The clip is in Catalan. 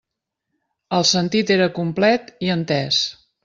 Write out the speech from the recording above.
El sentit era complet i entès.